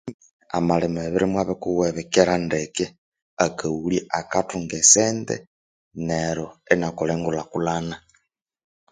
Amalima ebirimwa bikuwiwe bikera ndeke akaghulya akathunga esente neru inakolha engulhakulhana